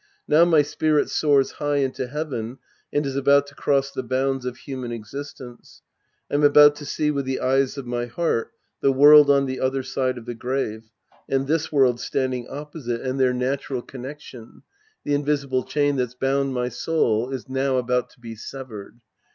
Now my spirit soars high into heaven and is about to cross the bounds of human existence. I'm about to see with the eyes of my heart the world on the other side of the grave and this world standing opposite and their natural con Sc. rv The Priest and His Disciples 241 nection ; the invisible chain that's bound my soul is now about to be severed.